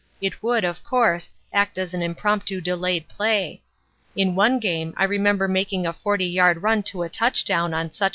It would, of course, act as an impromptu delayed play. In one game I remember making a forty yard run to a touchdown on such a manoeuver."